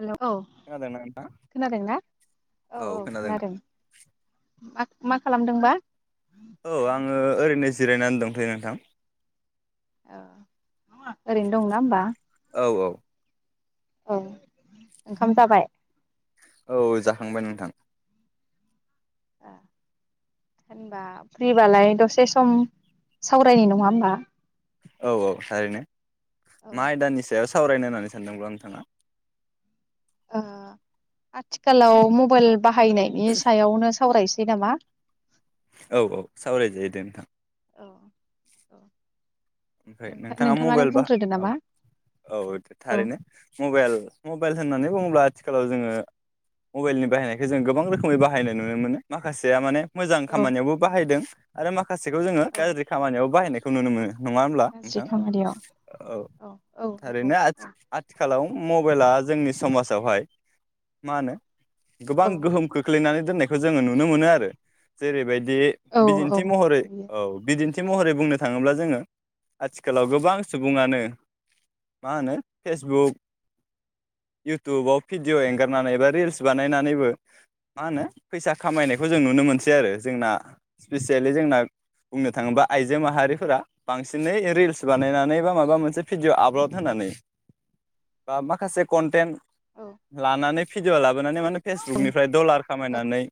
Hello खोनादोंना नोंथां? खोनादों ना औ औ खोनादों मा मा खालामदोंबा? औ आङो ओरैनो जिरायनानै दंथयो नोंथां औ ओरैनो दंना होमबा औ औ औ ओंखाम जाबाय औ जाखांबाय नोंथां ए होनबा फ्रिबालाय दसे सम सावरायनाय नङा होमबा औ औ थारैनो औ मा आयदानि सायाव सावरायनो होननानै सानदोंब्ला नोंथाङा? ओ आथिखालाव मबाइल बाहायनायनि सायावनो सावरायसै नामा? औ औ सावरायजायो दे नोंथां। औ औ ओमफ्राय नोंथां नोंथाङा नोंथाङानो मबाइल बा बुंग्रोदो औ नामा औ औ थारैनो मबाइल मबाइल होननानै बुङोब्ला आथिखालाव जोङो मबाइलनि बाहायनायखौ जों गोबां रोखोमै बाहायनाय नुनो मोनो। माखासेया माने मोजां औ खामानियावबो बाहायदों। आरो मा माखासेखौ जोङो औ गाज्रि खामानियाव बाहायनाय खौ नुनो मोनो। नङा होमब्ला गाज्रि नोंथां? खामानियाव औ औ नंगौ थारैनो आथि-आथिखालाव मबाइला जोंनि समाजावहाय मा होनो गोबां औ गोहोम खोख्लैनानै दोननायखौ जोङो नुनो मोनो आरो जेरैबायदि औ औ बिदिन्थि महरै बियो औ बिदिन्थि थि महरै बुंनो थाङोब्ला जोङो आथिखालाव गोबां सुबुङानो मा होनो फेसबुक इउटुबाव भिडिअ एंगारनानै बा रिल्स बानायनानैबो मा होनो फैसा खामायनायखौ जों नुनो मोनसै आरो जोंना स्पेसियेलि जोंना बुंनो थाङोब्ला आइजो माहारिफोरा बांसिनै रिल्स बानायनानै बा माबा मोनसे भिडिय आपलड होनानै बा माखासे कन्टेन्ट औ लानानै भिडिय ला बोनानै माने फेसबुकनिफ्राय डलार औ खामायनानै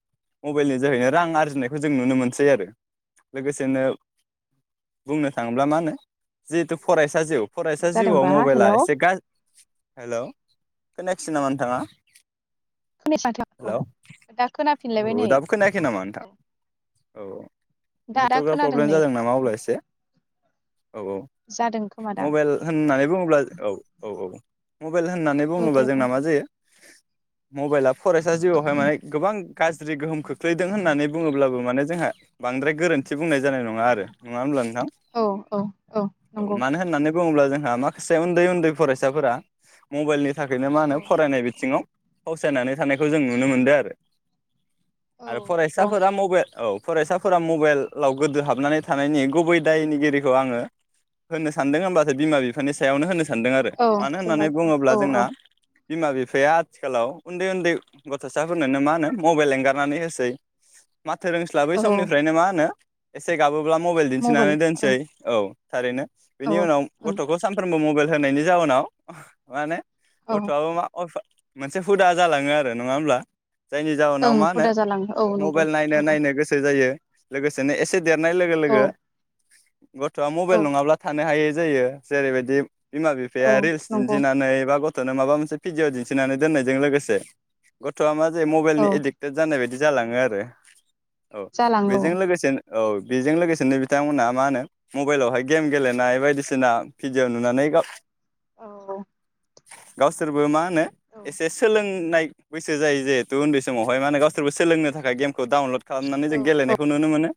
मबाइलनि जोहैनो रां आरजिनायखौ जों नुनो मोनसै आरो लोगोसेनो बुंनो थाङोब्ला मा होनो जिहेथु फरायसा जिउ मा फरायसा जिउआव जादोंबा मबाइला हेल' एसे गा हेलौ खोनायाखिसै नामा नोंथाङा? खोनायासै माथो हेलौ अ दा खोनाफिनलायबाय [unintelligible] नै दाबो खोनायाखै नामा औ नोंथां? औ अ दा दा नेटवार्कआ खोनादों प्रब्लेम नै जादों नामा अब्ला एसे औ औ जादों खोमादां मबाइल होननानै बुङोब्ला औ औ औ मबाइल होननानै औ दे बुङोब्ला जोंना बुंदो मा जायो। मबाइला फरायसा जिउआवहाय माने गोबां गाज्रि गोहोम खोख्लैदों होननानै बुङोब्लाबो माने जोंहा बांद्राय गोरोन्थि बुंनाय जानाय नङा आरो नङा होनब्ला औ औ औ नंगौ। मानो होननानै बुङोब्ला जोंहा माखासे उन्दै उन्दै फरायसाफोरा मबेलनि थाखैनो मा होनो औ फरायनाय बिथिङाव फावसायनानै थानायखौ जों नुनो मोनदो आरो। औ आरो नंगौ फरायसाफोरा मबे औ फरायसाफोरा मबेल लाव गोदो हाबनानै थानायनि गुबै दायनिगिरिखौ आङो होननो सानदों ओमबासो बिमा बिफानि सायावनो होनो सानदों आरो औ मानो बिमा होननानै बिफानि बुङोब्ला औ जोंना औ बिमा बिफाया आथिखालाव उन्दै उन्दै गथ'साफोरनोनो मा होनो मबेल एंगारनानै होसै। माथो रोंस्लाबै औ समनिफ्रायनो मा होनो एसे गाबोब्ला म मबाइल थिनानै दोनसै ओं औ थारैनो औ बिनि उनाव ओं गथ'खौ सानफ्रोमबो मबेल होनायनि जाउनाव मा होनो औ गथ'आबो मा अफ' मोनसे हुदा जालाङो आरो नङा होमब्ला? जायनि जाहोनाव ओं मा होनो हुदा जालाङो औ नंगौ मबेल नायनो नंगौ नायनो गोसो जायो लोगोसेनो एसे देरनाय लोगो औ लोगो गथ'आ मबेल औ नङाब्ला थानो हायै जायो जेरैबायदि बिमा बिफाया औ रील्स नंगौ दिन्थिनानै एबा गथ गथ'नो माबा मोनसे भिडिअ' दिन्थिनानै दोननायजों लोगोसे गथ'आ मा जे औ मबाइलनि एडिक्टेड जानाय बायदि जालाङो आरो। औ जालाङो बेजों लोगोसेनो औ बेजों लोगोसेनो बि बिथांमोना मा होनो मबेलावहाय गेम गेलेनाय बायदिसिना भिडिअ नुनानै गाव औ गावसोरबो मा होनो औ एसे सोलोंनाय बैसो जायो जेहेथु उन्दै समावहाय मा होनो गावसोरबो सोलोंनो थाखाय गेम खौ डाउनलड खालामनानै औ जों गेलेनायखौ नुनो मोनो।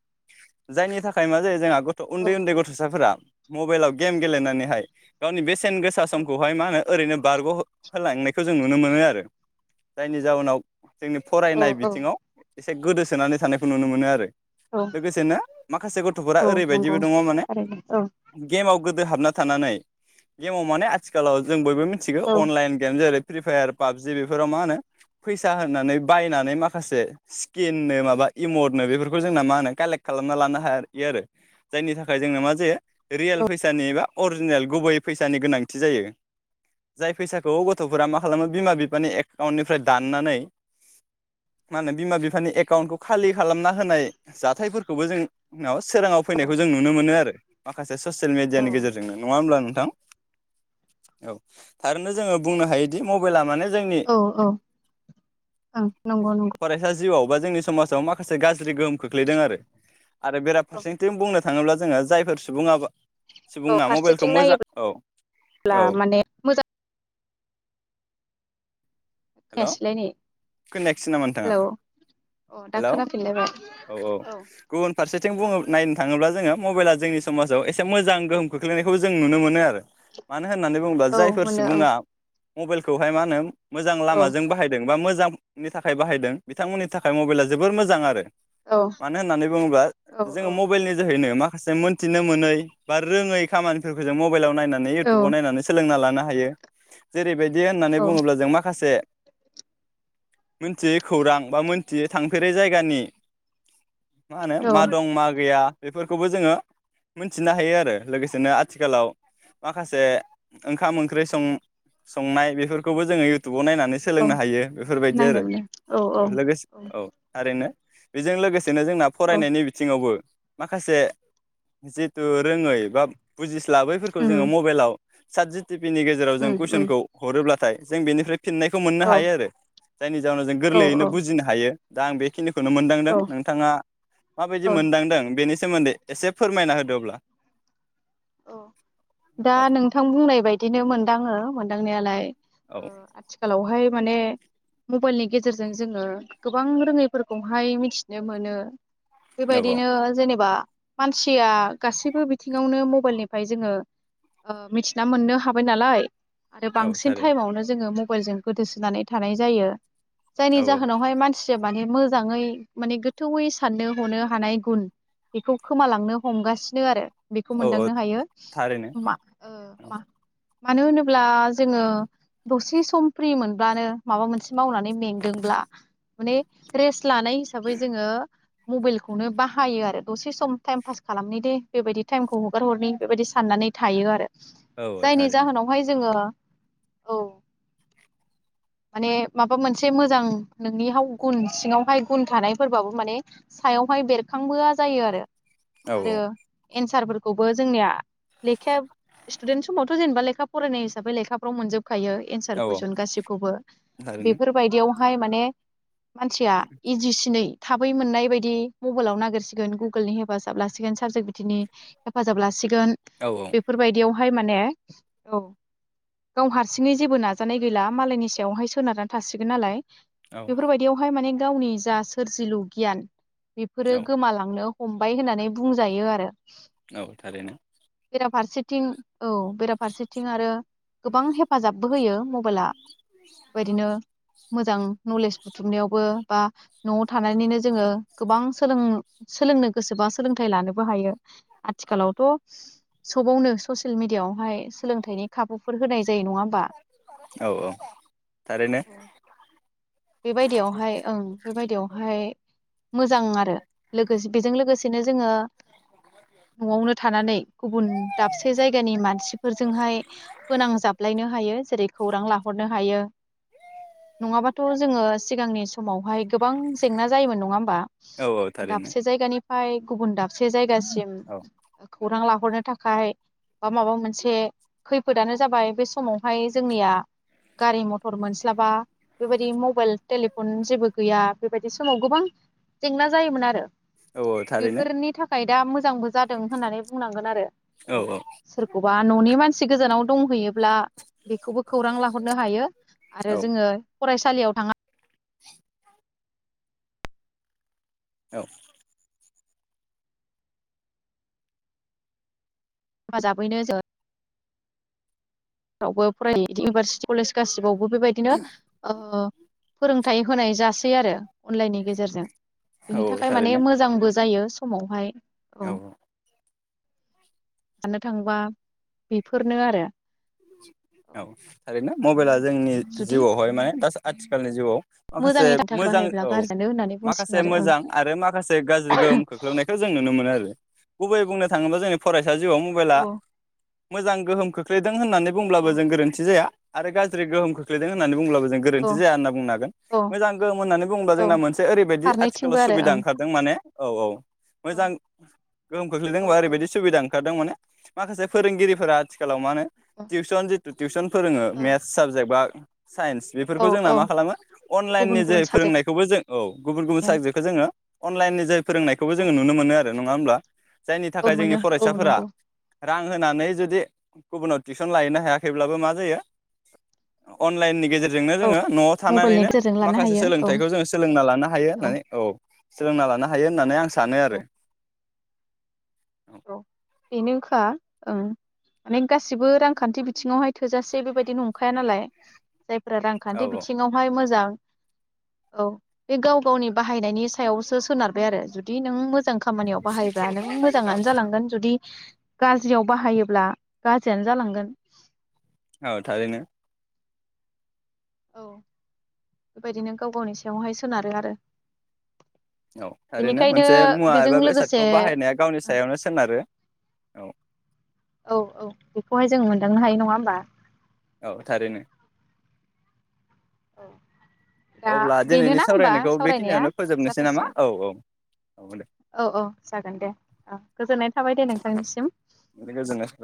जायनि थाख खाइ मा जायो जोंहा गथ' औ उन्दै उन्दै औ गथ'साफोरा मबेलाव गेम गेलेनानैहाय गावनि बेस सेनगोसा समखौहाय मा होनो ओरैनो बारग होलांनायखौ जों नुनो मोनो आरो जायनि जााहोनाव जोंनि फरायनाय औ औ बिथिङाव एसे गोदोसोनानै थानायखौ नुनो मोनो आरो। औ लोगोसेनो मा गथ'फोरा औ नंगौ ओरैबायदिबो दङ माने थारैनो औ गेमाव गोदो हाबना थानानै गेमाव माने आथिलाव जों बयबो मो मिथिगो औ अनलाइन गेम जेरै फ्रि फायार पाबजि बेफोराव मा होनो फैसा होनानै बायनानै माखासे स्किननो माबा इमदनो बेफोरखौ जोंना मा होनो कालेक्ट खालामना लानो [unintelligible] आरो जायनि थाखाय जोंनो मा जायो रियेल फैसानि एबा अरिजिनेल गुबैयै फैसानि गोनांथि जायो जाय फैसाखौ गथ'फोरा मा खालामो बिमा बिफानि एकाउन्टनिफ्राय दाननानै मा होनो बिमा बिफानि एकाउन्टखौ खालि खालामना होनाय जाथायफोरखौबो जों ना [unintelligible] सोराङाव फैनायखौ जों नुनो मोनो आरो। माखा से ससियेल औ मिडियानि गेजेरजोंनो नङा होनब्ला नों थां औ थारैनो जो बुंनो हायोदि मबेला माने जोंनि औ औ ओं नंगौ नंगौ। फरायसा जिउआव बा जोंनि समाजाव माखासे गाज्रि गोहोम खोख्लैदों आरो। आरो बेराफारसेथिं बुंनो थाङोब्ला जोङो जायफोर सुबुङा औ सुबुङा मबाइलखौ फारसेथिं मोजां नायोब्ला औ औ माने मोजां जायासैलाय नै खोनायसै नामा नोंथाङा हेलौ अ दा हेलौ खोनाफिनलायबाय औ औ गुबुन फारसेथिं बुङो नायनो थाङो ब्ला मबाइला जोंनि समाजाव एसे मोजां गोहोम खोख्लैनायखौ जों नुनो मोनो आरो मानो होननानै बुङोब्ला औ जायफोर मोनो ओं सुबुङा मबाइलखौहाय मा होनो मोजां औ लामाजों बाहायदों बा मोजां नि थाखाय बाहायदों बिथांमोननि थाखाय मबाइला जोबोर मोजां आरो। औ मानो होननानै बुङोब्ला औ जोङो मबाइलनि जोहैनो मा माखासे मोनथिनो मोनै बा रोङै खामानिफोरखौ जों म मबाइलाव नायनानै औ इउटुबाव नायनानै सोलोंना लानो हा हायो जेरैबायदि बिदि होननानै बुङोब्ला जों माखासे मोनथियै खौरां बा मोनथियै थांफेरै जायगानि मा होनो औ मा दं मा गैया बेफोरखौबो जोङो मोनथिनो हायो आरो लोगोसेनो आथिखालाव माखासे ओंखाम ओंख्रि सं संनाय बेफोरखौबो जोङो इउ टुबाव नायनानै औ सोलोंनो हायो। बेफोरबायदि आरो औ लोगोसे औ थारैनो बेजों लोगोसे बिदिनो जोंना औ फरायनायनि बिथिङावबो माखासे जिहेतु रोङै बा बुजिस लाबैफोरखौ उम जोङो मबाइलाव साथजित टि भि नि गेजेराव जों उम उम कुइसनखौ हरोब्लाथाय जों बेनिफ्राय फिननायखौ मोननो औ हायो आरो। जायनि जााहोनाव जों औ गोरलैयैनो औ बुजिनो हायो। दा आं बेखिनिखौ खौनो मोनदांदों औ नोंथाङा औ माबायदि मोनदांदों बेनि सोमोन्दै एसे फोरमायना होदो अब्ला। औ दा औ नोंथां बुंनाय बायदिनो मोनदाङो मोन मोनदांनायालाय औ ओ आथिखालावहाय माने मबाइलनि गेजेरजों जोङो गोबां रोङैफोरखौहाय मिथिनो मोनो औ बेबायदिनो औ जेनेबा मानसिया गासैबो बिथिङावनो मब मबाइल निफ्राय जोङो ओ मिथिना मोननो हाबाय नालाय आरो औ बांसिन थारैनो टाइमावनो जोङो मब मबाइलजों गोदोसोनानै थानाय जायो। जायनि औ जाहोनावहाय मानसि माने मोजाङै माने गोथौैयै साननो हनो हानाय गुन बेखौ खोमालांनो हमगासिनो आरो बे औ औ दांनो हायो थारैनो माक ओ औ माक मानो होनोब्ला जोङो दरसे सम फ्रि मोनब्लानो माबा मोनसे मावनानै मेंदोंब्ला माने रेस्ट लानाय हिसाबै जोङो मबाइलखौनो बाहायो आरो दसे सम टाइम पास खालामनो दे बेबायदि टाइमखौ हगार हरनि बेबायाददि साननानै थायो आरो औ जायनि थारैनो जाहोनावहाय जोङो औ माने माबा मोनसे मोजां नोंनि हाव गुन सिङावहाय गुन थानायफोरबाबो माने सायावहाय बेरखांबोआ जायो आरो औ आरो एन्सारफोर खौबो जोंनिया लेखाया स्टुडेन्ट समावथ जेनेबा लेखा फरायनाय हिसाबै लेखाफ्राव मोनजोब खायो एन्सार औ औ कुइसन गासिखौबो थारैनो बेफोर बायदियाव हाय माने मानसिया इजिसिनै थाबै मोननाय बायदि मबाइलाव नागिरसिगोन गुगोलनि हेफाजाब लासिगोन सात जि पि ति नि। हेफाजाब लासि सिगोन औ बेफोरबायदियाव हाय माने औ गाव हारसिङै जेबो नाजानाय गैला मालायनि सायावहाय सोनारनानै थासिगोन नालाय। औ बेफोर बायदियावहाय माने गावनि जा सोरजिलु गियान बेफोरो औ गोमालांनो हमबाय होननानै बुंजायो आरो औ थारैनो बेराफारसेथिं औ बेराफारसेथिं आरो गोबां हेफाजाबबो होयो माव बोला बेबायदिनो। मोजां नलेज बुथुमनायावबो बा नत थानानैनो जोङो गोबां सोलों सोलोंनो गोसोबा सोलोंथाइ लानोबो हायो। आथिखालावथ सबावनो ससियेल मिदियावहाय सोलोंथाइनि खाबुफोर होनाय जायो नङा ओमबा औ औ थारैनो बेबायदियावहाय ओं बेफोरबायदियावहाय मोजां आरो लोगोसे बेजों लोगोसेनो जोङो न'आवनो थानानै गुबुन दाबसे जायगानि मानसिफोरजोंहाय फोनांजाबलायनो हायो जेरै खौरां लाहरनो हायो। नङाबाथ जोङो सिगांनि समावहाय गोबां जेंना जायोमोन नङा ओमबा औ औ थारैनो दाबसे जायगानि फाय गुबुन दाबसे जायगासिम औ खौरां लाहरनो थाखाय बा माबा मोनसे खैफोदानो जाबाय बे समावहाय जोंनिया गारि मथर मोनस्लाबा बेबायदि मबाइल टेलिफन जेबो गैया बेबायदि समाव गोबां जेंना जायोमोन आरो औ औ थारैनो बेफोरनि थाखाय दा मोजांबो जाद होननानै बुंनांगोन आरो औ सोरखौबा न ननि मानसि गोजानाव दंहैयोब्ला बेखौबो खौरां लाहरनो हायो औ आरो जोङो फरायसालियाव थाङा। औ हेफाजाबैनो जों फावबो फरायो इउनिभारसिटि कलेज गासिबाव ब' बेबायदिनो ओ फोरोंथाय होनाय जास सै आरो। अनलाइननि गेजेरजों बिनि औ थारैनो थाखाय माने मोजांबो जायो। समावहाय औ औ साननो थांबा बेफोरनो आरो औ थारैनो मबाइला जोंनि जुदि जिउआवहाय माने दास आथिखालनि जिउआव माखासे मोजाङै थाखाय मोजां बाहायब्ला औ गारजियानो होननानै बुंसिगोन माखासे आरो मोजां आरो माखासे गाज्रि गोहोम खोख्लैनायखौ जों नुनो मोनो आरो। गुबै बुंनो थाङोबा जोंनि फराय सा जिआव मबाइला ओं मोजां गोहोम खोख्लैदों नों होननानै बुंब्लाबो औ जों गोरोन्थि जाया। आरो गाज्रि गोहोम खोख्लैदों होननानै बुंब्लाबो जों औ गोरोन्थि जाया होनना बुंनो हागोन औ मोजां गोहोम होननानै बुङोबा जोंना औ मोनसे ओरैबायदि आथिखालाव फारनैथिंबो आरो सुबिदा ओंखारदों माने औ औ ओं मोजां गोहोम खोख्लैदों औ होनबा औ ओरैबायदि सुबिदां ओखारदों माने माखासे फोरोंगिरिफोरा आथिखालाव मा होनो औ टिउसन जिथु टिउसन फोरोङो औ मेस साबजेक्ट बा साइन्स औ बेफोरखौ जोंना औ मा खालामो गुबुन अनलाइननि गुबुन जोहै साबजेक्टनि फोरोंनायखौबो जों औ गुबुन गुबुन साबजेक्टखौ जोङो अनलाइननि जोहै फोरोंनायखौबो जोङो नुनो मोनो आरो नङा होमब्ला जायनि औ थाखाय जोंनि मोनो औ फरायसाफोरा नंगौ रां होनानै जुदि गुबुनाव टिउसन लाहैनो हायाखैब्लाबो मा जायो अनलाइननि गेजेरजोंनो जोंङो न'आव मबाइलनि थानानैनो गेजेरजों लानो माखासे हायो औ सोलोंथाइखौ जोङो सोलोंना लानो हायो होननानै औ सोलोंना लानो हायो होननानै आं सानो आरो। फा ओ गासिबो रांखान्थि बिथिङावहाय थोजासे बेबायदि नंखाया नालाय। जायफोरा रांखान्थि औ बिथिङावहाय मोजां औ बे गाव गावनि बाहायनायनि सायावसो सोनारबाय आरो जुदि नों मो जां खामानियाव बाहायबा नों मोजांआनो जालांगोन जुदि गाज्रियाव बाहायोब्ला गाज्रियानो जालांगोन। औ थारैनो। औ बेबायदिनो गाव गावनि सायावहाय सोनारो आरो औ ओरैनो बेनिखायनो मोनसे मुवा बेजों एबा लोगोसे बेसादखौ बाहायनाया गावनि सायावनो सोनारो। औ। औ औ बेखौहाय जोङो मोनदांनो हायो नङा होमबा‌ औ थारैनो। औ। दा अब्ला बेनो दिनैनि ना होमबा सावरायनायखौ सावरायनाया बेखिनियावनो फोजोबनोसै नामा जाथसिगोन औ औ औ दे औ औ जागोन दे औ गोजोननाय थाबाय दे नोंथांनिसिम। गोजोननाय थाबाय।